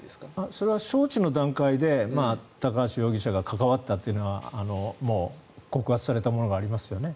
それは招致の段階で高橋容疑者が関わったというのはもう告発されたものがありますよね。